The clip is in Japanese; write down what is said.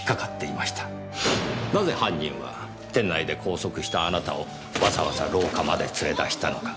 なぜ犯人は店内で拘束したあなたをわざわざ廊下まで連れ出したのか？